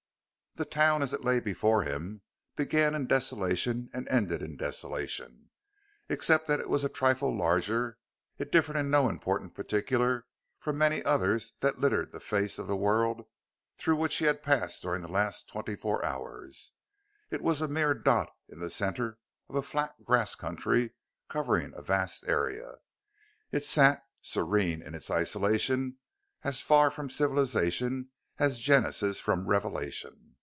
The town, as it lay before him, began in desolation and ended in desolation. Except that it was a trifle larger it differed in no important particular from many others that littered the face of the world through which he had passed during the last twenty four hours. It was a mere dot in the center of a flat grass country covering a vast area. It sat, serene in its isolation, as far from civilization as Genesis from Revelation.